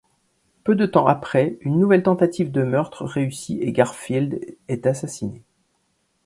Peu de temps après, une nouvelle tentative de meurtre réussit et Garfield est assassiné.